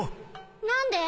何で？